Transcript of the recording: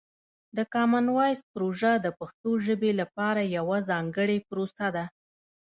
د کامن وایس پروژه د پښتو ژبې لپاره یوه ځانګړې پروسه ده.